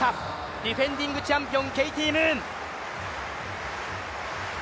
ディフェンディングチャンピオン、ケイティ・ムーン。